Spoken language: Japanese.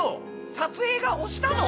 撮影が押したの？